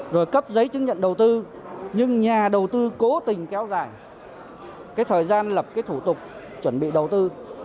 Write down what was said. rồi cấp giấy chứng nhận đầu tư nhưng nhà đầu tư cố tình kéo dài cái thời gian lập cái thủ tục chuẩn bị đầu tư